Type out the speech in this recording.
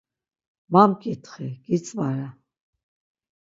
Ma mǩitxi, gitzvare.